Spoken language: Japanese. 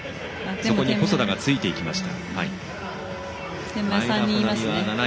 そこに細田がついていきました。